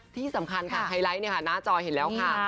ที่สำคัญค่ะไฮไลท์หน้าจอเห็นแล้วค่ะ